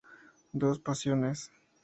Dos pasiones.